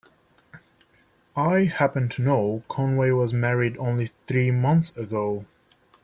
I happen to know Conway was married only three months ago.